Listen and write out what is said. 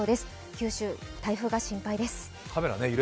九州、台風が心配です。